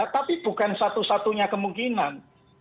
tapi bukan satu satunya kemungkinan